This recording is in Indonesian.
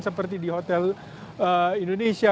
seperti di hotel indonesia